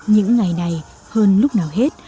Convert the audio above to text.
những ngày này hơn lúc nào hết